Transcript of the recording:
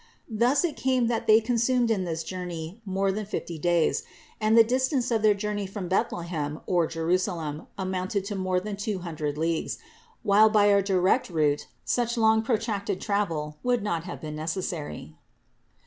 Thus it came that They consumed in this journey more than fifty days; and the distance of their journey from Bethlehem 549 550 CITY OF GOD or Jerusalem amounted to more than two hundred leagues, while by a direct route such long protracted travel would not have been necessary.